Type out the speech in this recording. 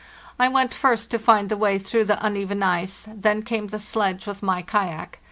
I went first to find the way through the uneven ice, then came the sledge with my kayak.